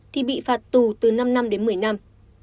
thì bị phạt tù từ năm năm đến một mươi năm